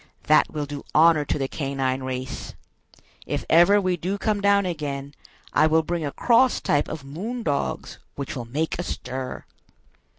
That will do honor to the canine race! If ever we do come down again, I will bring a cross type of 'moon dogs,' which will make a stir!"